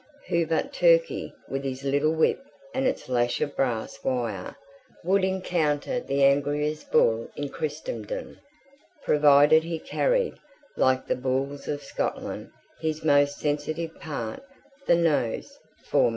Who but Turkey, with his little whip and its lash of brass wire, would encounter the angriest bull in Christendom, provided he carried, like the bulls of Scotland, his most sensitive part, the nose, foremost?